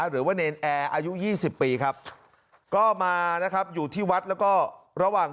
หรือว่าเนรนแอร์อายุ๒๐ปีครับก็มานะครับอยู่ที่วัดแล้วก็ระหว่าง